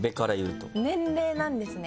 年齢なんですね。